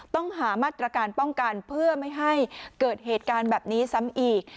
ต้องหามาตรการป้องกันเพื่อไม่ให้เกิดเหตุการณ์แบบนี้ซ้ำอีก